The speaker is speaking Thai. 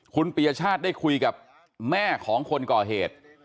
คุณปียชาติได้คุยกับแม่ของคนก่อเหตุ